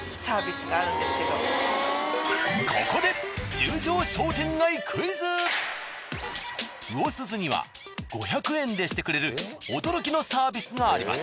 ここで魚鈴には５００円でしてくれる驚きのサービスがあります。